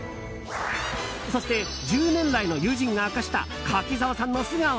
そして１０年来の友人が明かした柿澤さんの素顔。